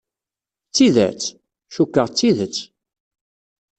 D tidet? Cukkeɣ, d tidet.